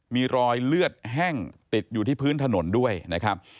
มีรอยเลือดแห้งติดอยู่ที่พื้นถนนด้วยนะครับ